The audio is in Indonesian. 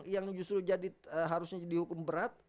yang justru harusnya dihukum berat